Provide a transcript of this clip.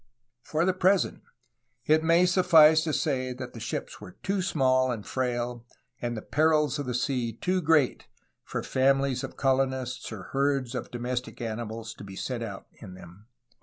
For the present it may suffice to say that the ships were too small and frail and the perils of the sea too great for famihes of colon ists or herds of domestic animals to be sent out in them.